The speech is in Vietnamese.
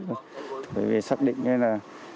bởi vì xác định như là